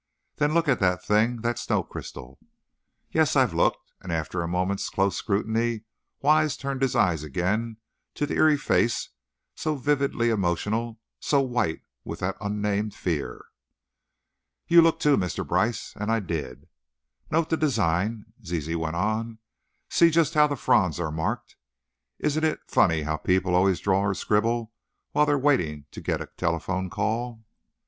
"Then look at that thing! That snow crystal!" "Yes, I've looked," and after a moment's close scrutiny Wise turned his eyes again to the eerie face, so vividly emotional, so white with that unnamed fear. "You look, too, Mr. Brice," and I did. "Note the design," Zizi went on, "see just how the fronds are marked. Isn't it funny how people always draw or scribble while they're waiting to get a telephone call?"